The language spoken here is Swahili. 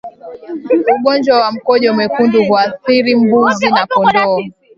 Ugonjwa wa mkojo mwekundu huathiri mbuzi na kondoo